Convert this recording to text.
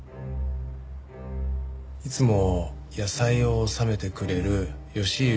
いつも野菜を納めてくれる吉行香也子さん